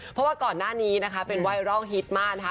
เพราะว่าก่อนหน้านี้เป็นวัยร่องฮีตมาก